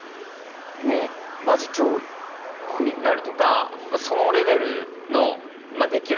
もうマジ上位になるとかそのレベルのできる兄を持っているのよ。